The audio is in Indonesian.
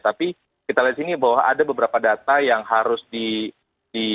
tapi kita lihat di sini bahwa ada beberapa data yang harus di